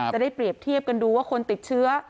จะได้เปรียบเทียบกันดูว่าคนติดเชื้อ